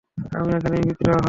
আমি এখানে বিদ্রোহী।